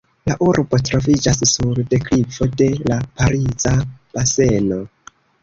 La urbo troviĝas sur deklivo de la Pariza Baseno.